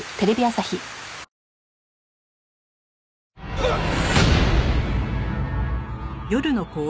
うっ！